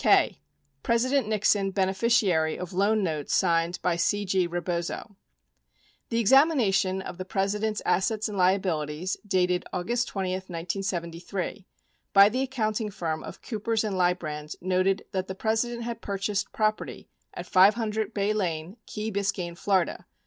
K. President Nixon Beneficiary of Loan Note Signed by C. G. Rebozo The examination of the President's assets and liabilities dated August 20, 1973, by the accounting firm of Coopers & Lybrand noted that the President had purchased property at 500 Bay Lane. Key Biscayne, Fla.